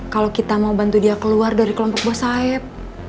kalau kita mau bantu dia keluar dari kelompok bossaib